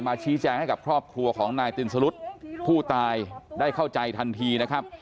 ชี้แจงให้กับครอบครัวของนายตินสรุธผู้ตายได้เข้าใจทันทีนะครับ